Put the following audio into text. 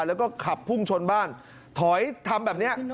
แล้วก็ขับพุ่งชนบ้านถอยทำแบบนี้